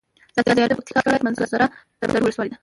ځاځي اريوب د پکتيا ولايت منظره لرونکي ولسوالي ده.